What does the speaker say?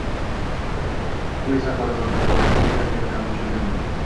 U esa xandon otib kulgan, men ham qo’shilganman…